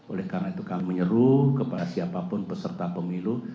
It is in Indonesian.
oleh karena itu kami menyeru kepada siapapun peserta pemilu